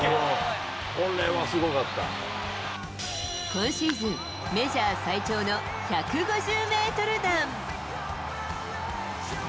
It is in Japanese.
今シーズン、メジャー最長の１５０メートル弾。